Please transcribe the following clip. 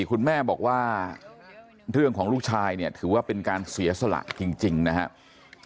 คุณแม่บอกว่าเรื่องของลูกชายเนี่ยถือว่าเป็นการเสียสละจริงนะครับ